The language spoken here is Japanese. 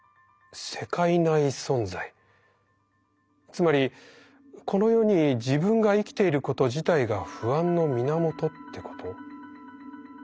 つまりこの世に自分が生きていること自体が不安の源ってこと？